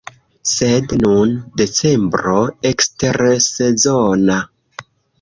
Sed nun, decembro ekstersezona.